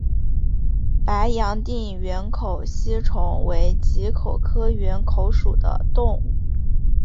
白洋淀缘口吸虫为棘口科缘口属的动物。